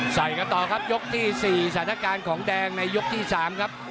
ใส่กันต่อครับยกที่๔สถานการณ์ของแดงในยกที่๓ครับ